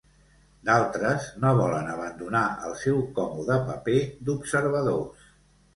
D'altres no volen abandonar el seu còmode paper d'observadors.